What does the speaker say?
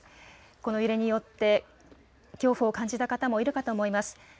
この揺れによって恐怖を感じた方もいるかと思います。